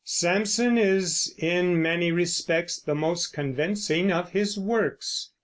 Samson is in many respects the most convincing of his works.